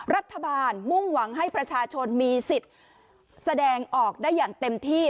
มุ่งหวังให้ประชาชนมีสิทธิ์แสดงออกได้อย่างเต็มที่